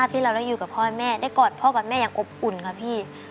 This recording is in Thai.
มันเหมือนแบบที่เราอยู่กับพ่อแม่ได้กอดพ่อกับแม่อย่างกบอุ่นค่ะพี่